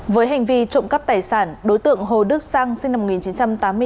với hành vi trộm cắp tài sản đối tượng hồ đức sang sinh năm một nghìn chín trăm tám mươi bốn